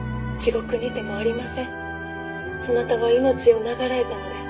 そなたは命を長らえたのです」。